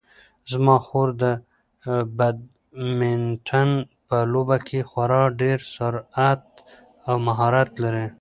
زما خور د بدمینټن په لوبه کې خورا ډېر سرعت او مهارت لري.